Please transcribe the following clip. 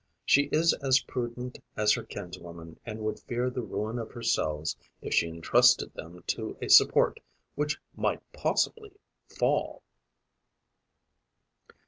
She is as prudent as her kinswoman and would fear the ruin of her cells, if she entrusted them to a support which might possibly fall.